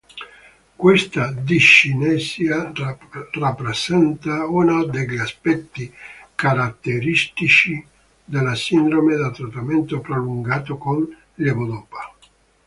Questa discinesia rappresenta uno degli aspetti caratteristici della "sindrome da trattamento prolungato con levodopa".